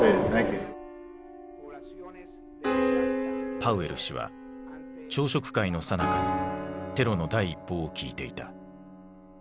パウエル氏は朝食会のさなかにテロの第一報を聞いていた。